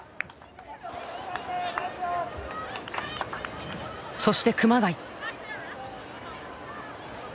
そして熊谷。